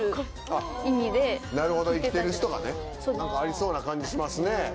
なるほど生きてる人がね何かありそうな感じしますね。